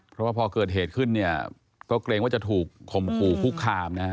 เพราะว่าพอเกิดเหตุขึ้นก็เกรงว่าจะถูกขมภูผู้คาม